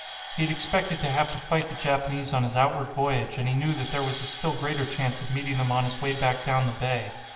He had expected to have to fight the Japanese on his outward voyage, and he knew that there was a still greater chance of meeting them on his way back down the bay.